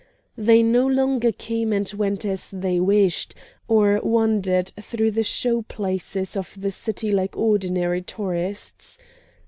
They no longer came and went as they wished, or wandered through the show places of the city like ordinary tourists.